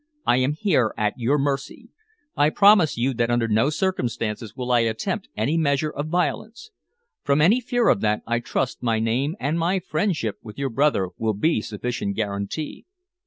"I am here at your mercy. I promise you that under no circumstances will I attempt any measure of violence. From any fear of that, I trust my name and my friendship with your brother will be sufficient guarantee."